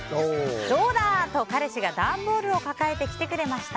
どうだ！と彼氏が段ボールを抱えてきてくれました。